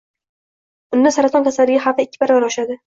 Unda saraton kasalligi xavfi ikki baravar oshadi.